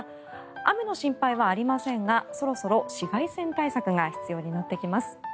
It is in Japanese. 雨の心配はありませんがそろそろ紫外線対策が必要になってきます。